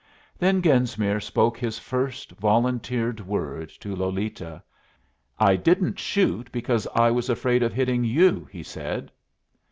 Then Genesmere spoke his first volunteered word to Lolita. "I didn't shoot because I was afraid of hitting you," he said.